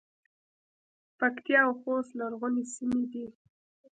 پکتیا او خوست لرغونې سیمې دي